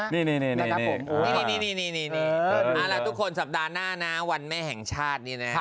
นี่นะล่ะทุกคนสัปดาห์หน้านาวันแม่แห่งชาตินี่น่ะ